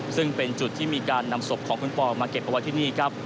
ซึ่งเป็นจุดที่มีการนำศพของคุณปอมาเก็บเอาไว้ที่นี่ครับ